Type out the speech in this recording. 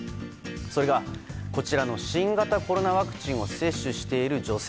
それがこちらの新型コロナワクチンを接種している女性。